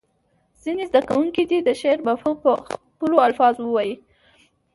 ځینې زده کوونکي دې د شعر مفهوم په خپلو الفاظو ووایي.